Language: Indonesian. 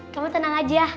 kamu tenang aja